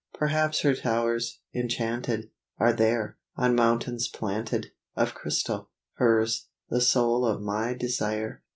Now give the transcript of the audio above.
Perhaps her towers, enchanted, Are there; on mountains planted Of crystal: hers! the soul of my desire!